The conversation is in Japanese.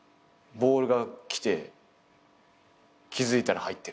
ボールが来て気付いたら入ってる。